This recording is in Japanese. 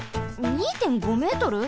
２．５メートル！？